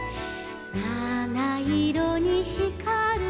「なないろにひかる」